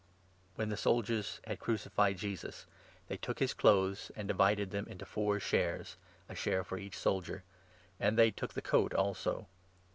When the soldiers had crucified Jesus, they took his clothes 23 and divided them into four shares — a share for each soldier — and they took the coat also.